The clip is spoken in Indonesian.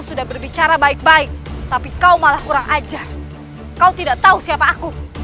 berani sembarangan pemerintah memang saya pembantu mu